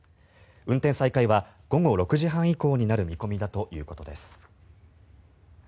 運転再開は午後６時半以降になる見込みだということです。